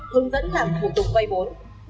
hướng dẫn làm thủ tục vay bốn